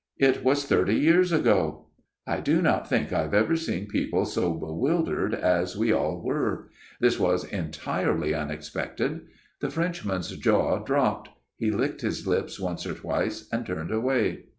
It was thirty years ago.' " I do not think I have ever seen people so bewildered as we all were. This was entirely unexpected. The Frenchman's jaw dropped ; he licked his lips once or twice, and turned away.